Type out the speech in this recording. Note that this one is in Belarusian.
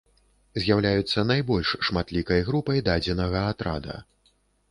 З'яўляюцца найбольш шматлікай групай дадзенага атрада.